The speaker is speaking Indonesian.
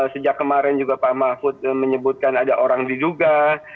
sejak kemarin juga pak mahfud menyebutkan ada orang diduga